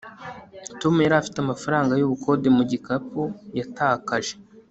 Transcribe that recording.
tom yari afite amafaranga yubukode mu gikapu yatakaje